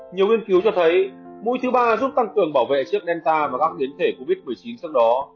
nhiều nghiên cứu cho thấy mũi thứ ba giúp tăng cường bảo vệ trước denta và các biến thể covid một mươi chín sau đó